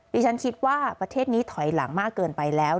ดิฉันคิดว่าประเทศนี้ถอยหลังมากเกินไปแล้ว